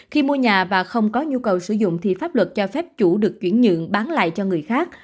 khi mua nhà và không có nhu cầu sử dụng thì pháp luật cho phép chủ được chuyển nhượng bán lại cho người khác